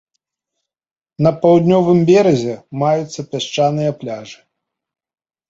На паўднёвым беразе маюцца пясчаныя пляжы.